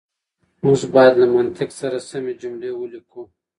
موږ بايد له منطق سره سمې جملې وليکو.